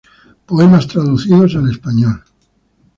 Poemas traducidos al español